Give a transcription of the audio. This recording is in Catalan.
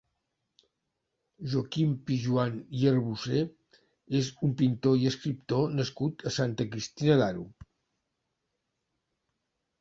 Joaquim Pijoan i Arbocer és un pintor i escriptor nascut a Santa Cristina d'Aro.